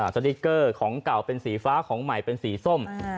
สติ๊กเกอร์ของเก่าเป็นสีฟ้าของใหม่เป็นสีส้ม